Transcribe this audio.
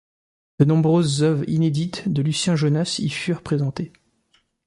De nombreuses œuvres inédites de Lucien Jonas y furent présentées.